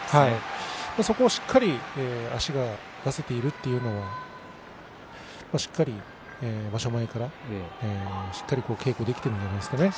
そこをしっかりと足が出せているというのはしっかり場所前からしっかり稽古できているんでしょうね。